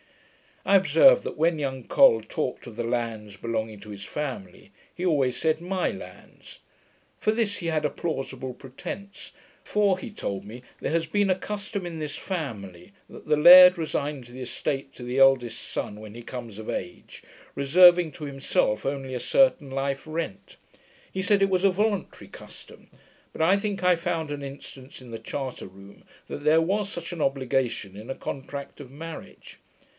I observed, that, when young Col talked of the lands belonging to his family, he always said, 'MY lands'. For this he had a plausible pretence; for he told me, there has been a custom in this family, that the laird resigns the estate to the eldest son when he comes of age, reserving to himself only a certain life rent. He said, it was a voluntary custom; but I think I found an instance in the charter room, that there was such an obligation in a contract of marriage.